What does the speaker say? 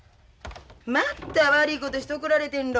まった悪ことして怒られてんろ。